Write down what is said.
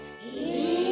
え！